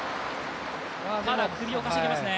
ただ首をかしげますね。